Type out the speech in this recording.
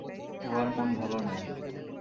উহার মন ভালো নয়।